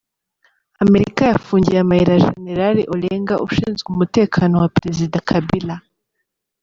Amerika yafungiye amayira Jenerali Olenga ushinzwe umutekano wa Perezida Kabila .